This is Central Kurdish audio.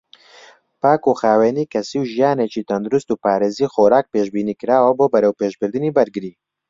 پاکوخاوێنی کەسی و ژیانێکی تەندروست و پارێزی خۆراک پێشبینیکراوە بۆ بەرەوپێشبردنی بەرگری.